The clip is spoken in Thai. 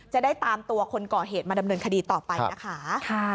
จะได้ตามตัวคนก่อเหตุมาดำเนินคดีต่อไปนะคะ